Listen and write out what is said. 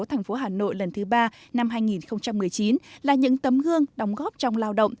thành phố hà nội lần thứ ba năm hai nghìn một mươi chín là những tấm gương đóng góp trong lao động